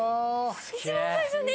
一番最初に？